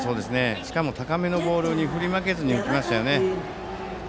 しかも、高めのボールに振り負けずに打ちましたよね。